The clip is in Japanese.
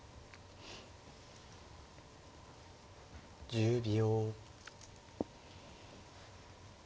１０秒。